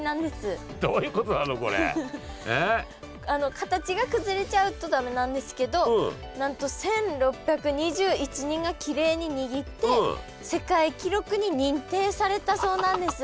形が崩れちゃうと駄目なんですけどなんと１，６２１人がきれいににぎって世界記録に認定されたそうなんです。